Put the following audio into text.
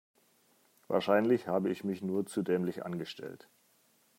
Wahrscheinlich habe ich mich nur zu dämlich angestellt.